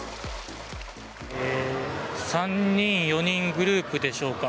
３人、４人グループでしょうか。